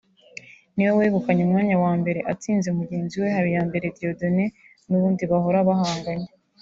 niwe wegukanye umwanya wa mbere atsinze mugenzi we Habiyambere Dieudonné n’ubundi bahora bahanganye